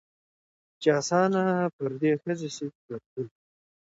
چي آسانه پر دې ښځي سي دردونه